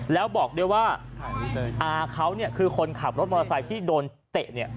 แล้วบอกด้วยว่าอาเขาเนี่ยคือคนขับรถมอเตอร์ไซค์ที่โดนเตะเนี่ย